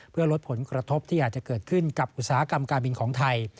เพื่อลดผลกระทบที่อาจจะเกิดขึ้นกับอุตสาหกรรมการบินของไทย